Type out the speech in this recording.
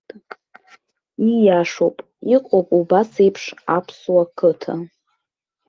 Ииашоуп, иҟоуп убас еиԥш аԥсуа қыҭа.